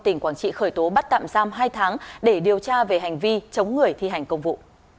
tỉnh quảng trị khởi tố bắt tạm giam hai tháng để điều tra về hành vi chống người thi hành công vụ